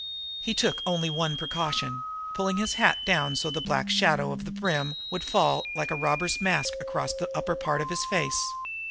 He took only one precaution, pulling his hat down so that the black shadow of the brim would fall like a robber's mask across the upper part of his face.